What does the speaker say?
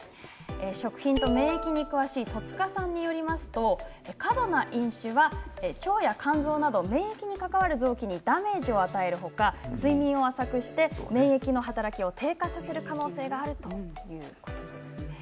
戸塚さんによりますと過度な飲酒は腸や肝臓など免疫に関わる臓器にダメージを与えるほか睡眠を浅くして免疫の働きを低下させる可能性があるそうです。